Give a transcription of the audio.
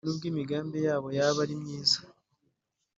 n’ubwo imigambi yabo yaba ari myiza